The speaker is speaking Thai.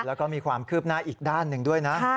แล้วก็มีความคืบหน้าอีกด้านหนึ่งด้วยนะ